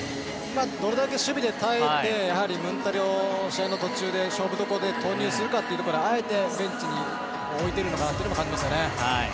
どれだけ守備で耐えてムンタリを試合の勝負どころで投入するかというところはあえてベンチに置いているのかなと思いますね。